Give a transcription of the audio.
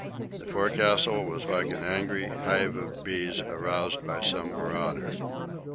The forecastle was like an angry hive of bees aroused by some marauder.